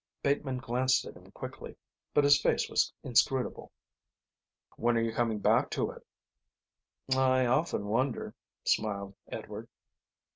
Bateman glanced at him quickly, but his face was inscrutable. "When are you coming back to it?" "I often wonder," smiled Edward.